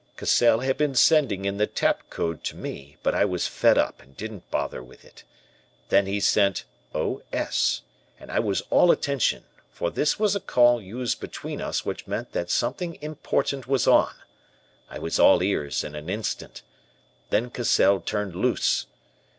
"Cassell had been sending in the 'tap code' to me, but I was fed up and didn't bother with it. Then he sent O. S., and I was all attention, for this was a call used between us which meant that something important was on. I was all ears in an instant. Then Cassell turned loose.